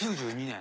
９２年。